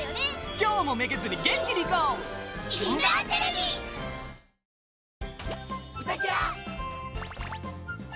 今日もめげずに元気にいこう！